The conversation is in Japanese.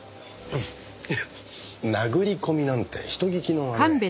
フッ殴り込みなんて人聞きの悪い。